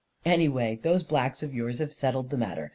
Anyway those blacks of yours have settled the matter.